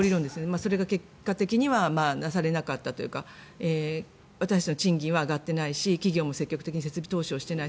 それが結果的にはなされなかったというか私たちの賃金は上がってないし企業も積極的に設備投資してない。